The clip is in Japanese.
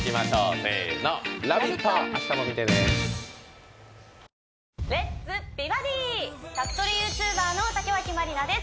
美バディ」宅トレＹｏｕＴｕｂｅｒの竹脇まりなです